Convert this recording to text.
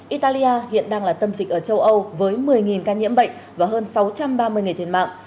italia hiện đang là tâm dịch ở châu âu với một mươi ca nhiễm bệnh và hơn sáu trăm ba mươi người thiệt mạng